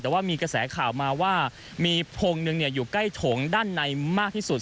แต่ว่ามีกระแสข่าวมาว่ามีพงหนึ่งอยู่ใกล้โถงด้านในมากที่สุด